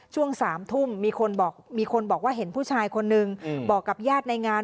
ช่วง๓ทุ่มมีคนบอกว่าเห็นผู้ชายคนนึงบอกกับญาติในงาน